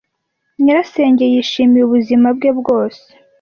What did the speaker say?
Nyirasenge yishimiye ubuzima bwe bwose.